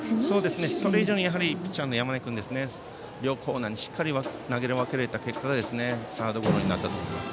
それ以上にピッチャーの山根君が両コーナーにしっかり投げ分けられた結果がサードゴロになったと思います。